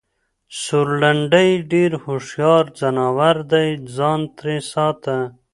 سورلنډی ډېر هوښیار ځناور دی٬ ځان ترې ساته!